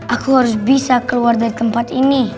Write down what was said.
aku harus bisa keluar dari tempat ini